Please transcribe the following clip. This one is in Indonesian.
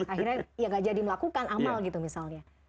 akhirnya ya gak jadi melakukan amal gitu misalnya